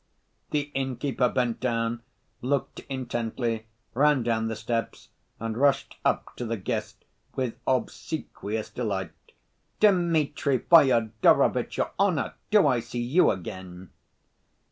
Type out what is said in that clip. The innkeeper bent down, looked intently, ran down the steps, and rushed up to the guest with obsequious delight. "Dmitri Fyodorovitch, your honor! Do I see you again?"